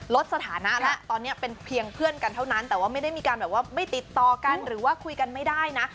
ลดสถานะแล้วตอนนี้เป็นเพียงเพื่อนกันเท่านั้นแต่ว่าไม่ได้มีการแบบว่าไม่ติดต่อกันหรือว่าคุยกันไม่ได้นะ